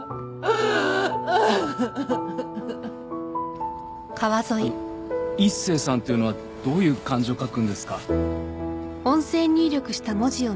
あのイッセイさんっていうのはどういう漢字を書くんですか？